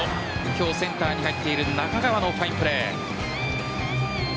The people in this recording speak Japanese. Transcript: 今日センターに入っている中川のファインプレー。